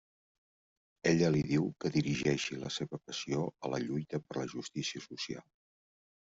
Ella li diu que dirigeixi la seva passió a la lluita per la justícia social.